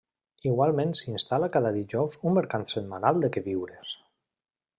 Igualment s'hi instal·la cada dijous un mercat setmanal de queviures.